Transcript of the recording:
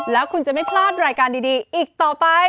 แล้วคุณจะไม่พลาดรายการดีอีกต่อไป